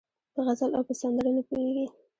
په غزل او په سندره نه پوهېږي